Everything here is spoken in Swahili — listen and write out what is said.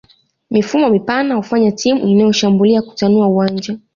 Mifumo mipana hufanya timu inayoshambulia kutanua uwanja